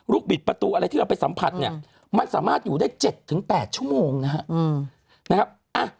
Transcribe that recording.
บิดประตูอะไรที่เราไปสัมผัสเนี่ยมันสามารถอยู่ได้๗๘ชั่วโมงนะครับ